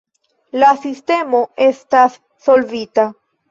La sistemo estas solvita.